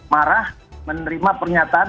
marah menerima pernyataan